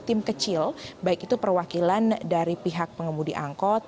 tim kecil baik itu perwakilan dari pihak pengemudi angkot